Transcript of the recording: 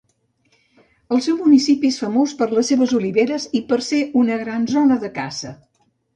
El municipi és famós per les seves oliveres i per ser una gran zona de caça.